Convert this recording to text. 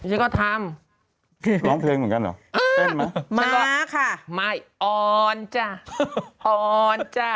ดิฉันก็ทำร้องเพลงเหมือนกันเหรอเออมาค่ะมาอ่อนจ้ะอ่อนจ้ะ